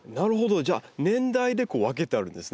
じゃあ年代でこう分けてあるんですね。